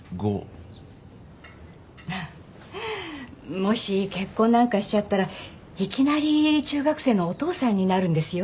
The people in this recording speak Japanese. もし結婚なんかしちゃったらいきなり中学生のお父さんになるんですよ院長。